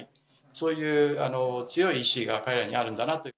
そういう強い意思が彼らにあるんだなと。